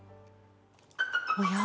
おや？